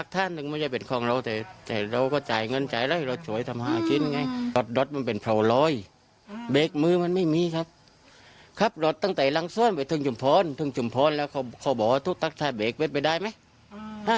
อ๋อทุกทักษะเบรกเป็นไปได้ไหม